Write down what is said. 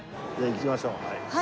行きましょう。